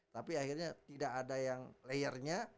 tapi akhirnya tidak ada yang layernya